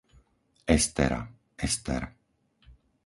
Estera, Ester